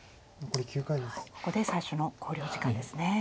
ここで最初の考慮時間ですね。